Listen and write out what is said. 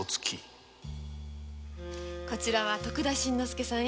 こちらは徳田新之助さん